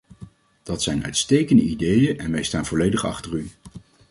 Dat zijn uitstekende ideeën, en wij staan volledig achter u.